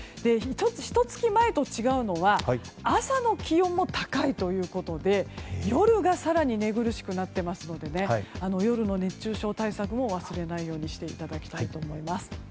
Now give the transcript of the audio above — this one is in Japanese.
ひと月前と違うのは朝の気温も高いということで夜が更に寝苦しくなっていますので夜の熱中症対策も忘れないようにしていただきたいと思います。